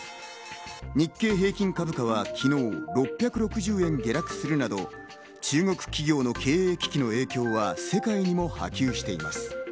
日経平均株価は昨日６６０円下落するなど、中国企業の経営危機の影響は世界にも波及しています。